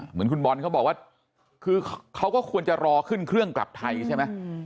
เหมือนคุณบอลเขาบอกว่าคือเขาก็ควรจะรอขึ้นเครื่องกลับไทยใช่ไหม